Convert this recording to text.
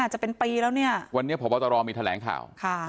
จะเป็นปีแล้วเนี่ยวันนี้พบตรมีแถลงข่าว